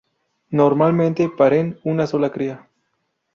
Normalmente paren una sola cría.